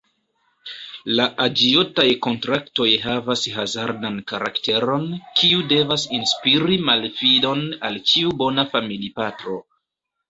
La aĝiotaj kontraktoj havas hazardan karakteron, kiu devas inspiri malfidon al ĉiu bona familipatro.